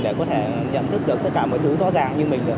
để có thể nhận thức được tất cả mọi thứ rõ ràng như mình được